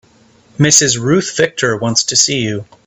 Mrs. Ruth Victor wants to see you.